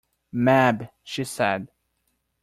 Mab, she said.